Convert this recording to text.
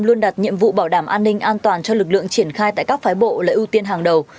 luôn đặt nhiệm vụ bảo đảm an ninh an toàn cho lực lượng triển khai tại các phái bộ là ưu tiên hàng đầu